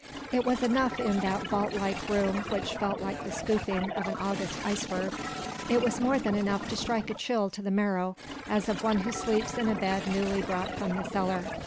It was enough in that vault like room, which felt like the scooping of an August iceberg; it was more than enough to strike a chill to the marrow, as of one who sleeps in a bed newly brought from the cellar.